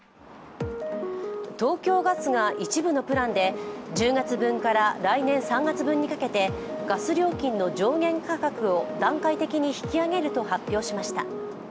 東京ガスが一部のプランで１０月分から来年３月分にかけてガス料金の上限価格を段階的に引き上げると発表しました。